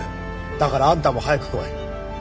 だからあんたも早く来い。